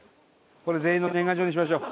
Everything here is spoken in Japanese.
これ全員の年賀状にしましょう。